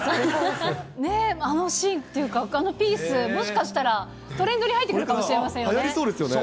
ねぇ、あのシーンっていうか、あのピース、もしかしたらトレンドに入ってくるかもしれませんよね。